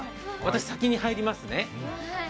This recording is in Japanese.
私、先に入りますね。